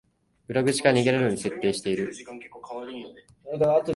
裏口から逃げられるように設計してる